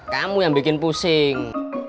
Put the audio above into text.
kamu yang bikin pusing